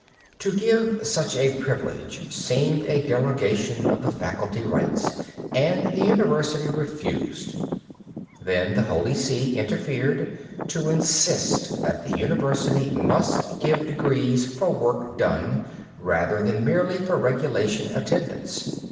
To give such a privilege seemed a derogation of the faculty rights and the University refused. Then the Holy See interfered to insist that the University must give degrees for work done, rather than merely for regulation attendance.